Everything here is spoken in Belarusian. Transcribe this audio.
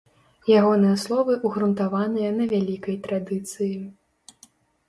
Ягоныя словы ўгрунтаваныя на вялікай традыцыі.